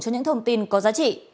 cho những thông tin có giá trị